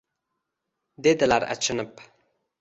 Dedilar achinib